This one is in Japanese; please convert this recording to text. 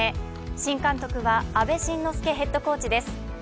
新監督は阿部慎之助ヘッドコーチです。